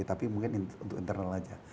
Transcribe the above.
tapi mungkin untuk internal saja